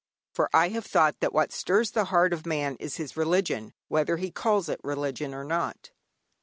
For I have thought that what stirs the heart of man is his religion, whether he calls it religion or not.